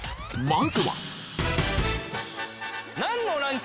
まずは何？